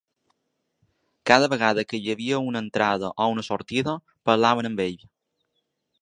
Cada vegada que hi havia una entrada o una sortida, parlaven amb ell.